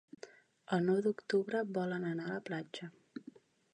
El nou d'octubre volen anar a la platja.